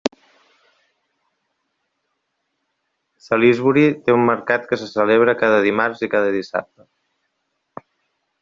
Salisbury té un mercat que se celebra cada dimarts i cada dissabte.